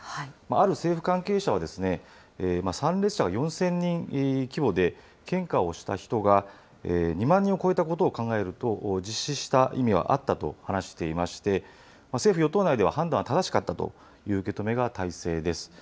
ある政府関係者は、参列者が４０００人規模で、献花をした人が２万人を超えたことを考えると、実施した意味はあったと話していまして、政府・与党内では判断は正しかったという受け止めが大勢です。